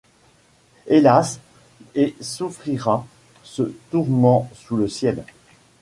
Hélas ! et souffrira ce tourment sous le ciel